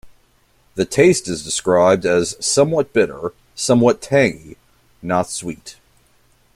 The taste is described as "somewhat bitter, somewhat tangy, not sweet".